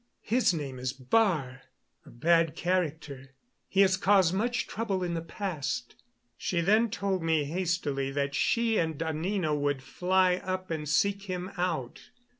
His name is Baar, a bad character. He has caused much trouble in the past." She then told me hastily that she and Anina would fly up and seek him out.